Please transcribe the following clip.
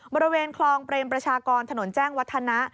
บริเวณคลองเปรมประชากรถนนแจ้งวัฒนะ